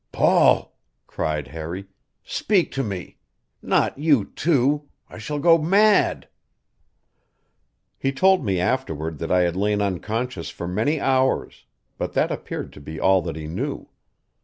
"Paul!" cried Harry. "Speak to me! Not you, too I shall go mad!" He told me afterward that I had lain unconscious for many hours, but that appeared to be all that he knew.